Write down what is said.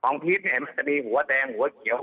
้องพรีชมันจะมีหัวแดงหัวเกียว